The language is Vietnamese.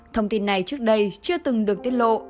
thông tin này trước đây chưa từng được tiết lộ